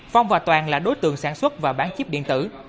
phòng và toàn là đối tượng sản xuất và bán chiếp điện tử